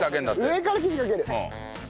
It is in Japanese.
上から生地かける。